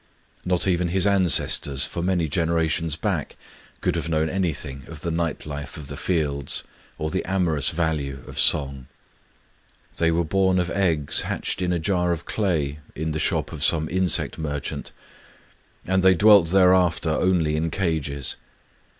Not even his ancestors, for many , generations back, could have known anything of the night life of the fields, or the amorous value of song. They were born of eggs hatched in a jar of clay, in the shop of some insect merchant; and they dwelt thereafter only in cages.